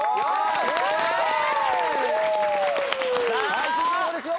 最新情報ですよ！